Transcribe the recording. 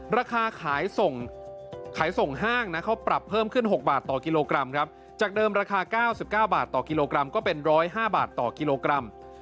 ราคาขายส่งห้างนะเขาปรับเพิ่มขึ้น๖บาทต่อกิโลกรัมครับจากเดิมราคา๙๙บาทต่อกิโลกรัมก็เป็น๑๐๕บาทต่อกิโลกรัม